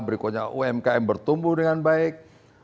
berikutnya umkm bertumbuh dengan baik